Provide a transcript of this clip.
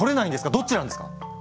どっちなんですか！